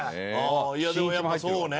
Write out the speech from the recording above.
いやでもやっぱそうね。